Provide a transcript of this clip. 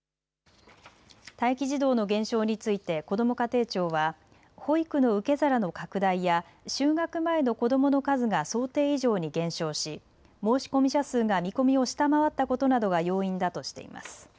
待機児童の減少についてこども家庭庁は保育の受け皿の拡大や就学前の子どもの数が想定以上に減少し、申込者数が見込みを下回ったことなどが要因だとしています。